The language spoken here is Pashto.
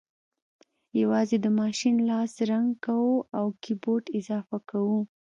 یوازې د ماشین لاس رنګ کوو او کیبورډ اضافه کوو